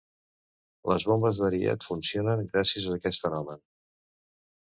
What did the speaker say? Les bombes d'ariet funcionen gràcies a aquest fenomen.